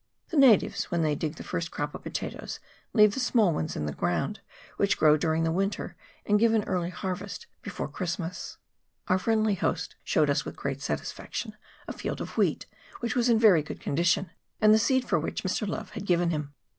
The natives, when they dig the first crop of pota toes, leave the small ones in the ground, which grow during the winter, and give an early harvest before Christmas. Our friendly host showed us, with great satisfaction, a field of wheat, which was CHAP. V.] ARAPAOA. 121 in very good condition, and the seed for which Mr. Love had given him.